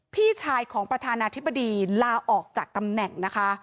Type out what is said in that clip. พี่ชายของประธานาธิบดีลาออกจากตำแหน่งนะคะ